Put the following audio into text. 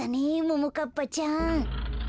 ももかっぱちゃん。